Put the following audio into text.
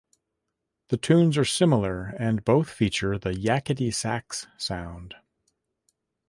The tunes are similar, and both feature the "yakety sax" sound.